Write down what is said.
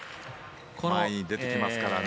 前に出てきますからね。